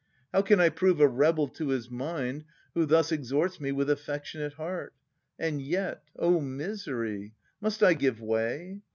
How can I prove a rebel to his mind Who thus exhorts me with affectionate heart? And yet, oh misery ! must I give way